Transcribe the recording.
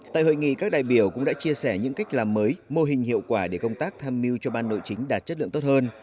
tại hội nghị các đại biểu cũng đã chia sẻ những cách làm mới mô hình hiệu quả để công tác tham mưu cho ban nội chính đạt chất lượng tốt hơn